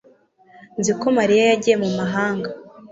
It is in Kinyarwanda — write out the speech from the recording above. nzi ko mariya yagiye mu mahanga